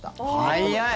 早い！